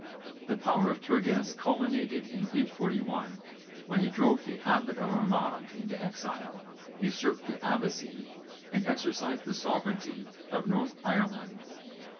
The power of Turges culminated in 841, when he drove the abbot of Armagh into exile, usurped the abbacy, and exercised the sovereignty of North Ireland.